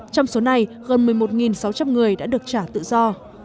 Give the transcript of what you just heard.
trong số này gần một mươi một sáu trăm linh người đã được trả tự do